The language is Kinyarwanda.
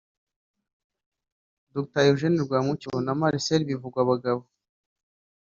Dr Eugène Rwamucyo na Marcel Bivugabagabo